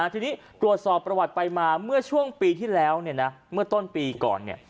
ทีนี้ตรวจสอบประวัติไปมาเมื่อช่วงปีที่แล้วเมื่อต้นปีก่อน